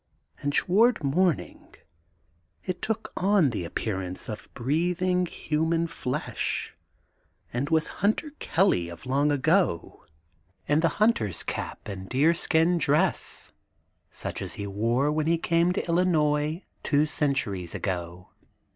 And toward morning it took on the appearance of breathing human flesh, but was Hunter Kelly of long ago, in the hunter *s cap and deerskin dress, such as he wore when he came to Illinois two centuries ago.